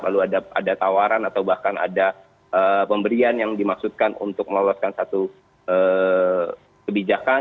lalu ada tawaran atau bahkan ada pemberian yang dimaksudkan untuk meloloskan satu kebijakan